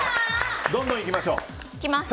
どんどんいきましょう。